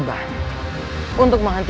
kau harus berhenti